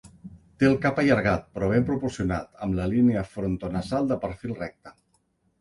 Té el cap allargat però ben proporcionat, amb la línia frontonasal de perfil recte.